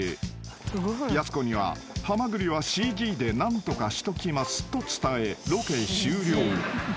［やす子にはハマグリはＣＧで何とかしときますと伝えロケ終了］